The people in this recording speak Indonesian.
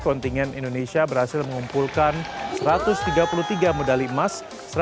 kontingen indonesia berhasil mengumpulkan satu ratus tiga puluh tiga medali emas